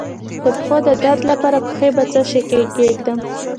د پښو د درد لپاره پښې په څه شي کې کیږدم؟